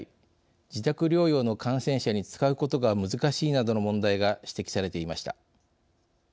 自宅療養の感染者に使うことが難しいなどの問題が指摘されていました。